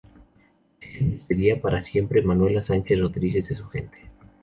Así se despedía, para siempre, Manuela Sánchez Rodríguez de su gente.